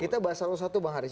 kita bahas satu satu bang haris